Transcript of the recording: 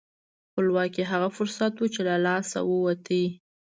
خپلواکي هغه فرصت و چې له لاسه ووت.